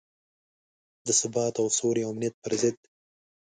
د ثبات او سولې او امنیت پر ضد.